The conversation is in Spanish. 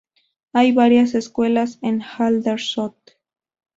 Hay varias escuelas en Aldershot.